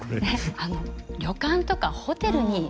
旅館とかホテルに。